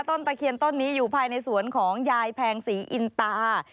ตะเคียนต้นนี้อยู่ภายในสวนของยายแพงศรีอินตา